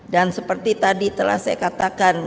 dan seperti tadi telah saya katakan